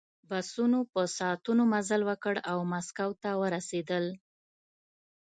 بسونو په ساعتونو مزل وکړ او مسکو ته ورسېدل